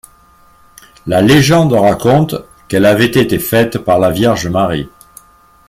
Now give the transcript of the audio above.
La légende raconte qu'elle avait été faite par la Vierge Marie.